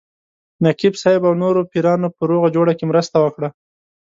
نقیب صاحب او نورو پیرانو په روغه جوړه کې مرسته وکړه.